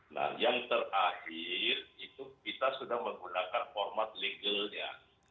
nah yang terakhir itu kita sudah menggunakan format legalnya